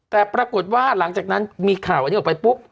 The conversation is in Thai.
แต่ปรากฏว่าหลังจากนั้นมีข่าวอันนี้ออกไปปุ๊บ